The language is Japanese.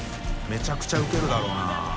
めちゃくちゃウケるだろうな。